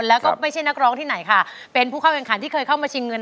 แล้วก็ไม่ใช่นักร้องที่ไหนค่ะเป็นผู้เข้าแข่งขันที่เคยเข้ามาชิงเงิน